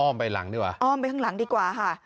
ไปหลังดีกว่าอ้อมไปข้างหลังดีกว่าค่ะ